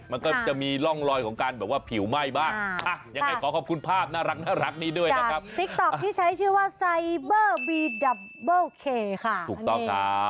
มันก็จะมีร่องลอยของการผิวไหม้บ้าง